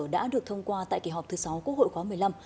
đã được thông qua tại kỳ họp thứ sáu quốc hội khóa một mươi năm